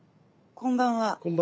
こんばんは。